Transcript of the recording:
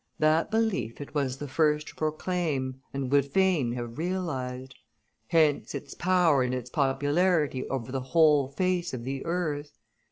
That belief it was the first to proclaim and would fain have realized. Hence its power and its popularity over the whole face of the earth.